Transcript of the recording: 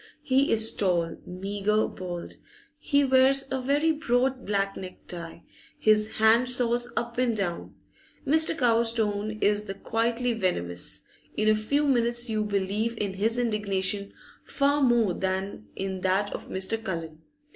He is tall, meagre, bald; he wears a very broad black necktie, his hand saws up and down. Mr. Cowes' tone is the quietly venomous; in a few minutes you believe in his indignation far more than in that of Mr. Cullen.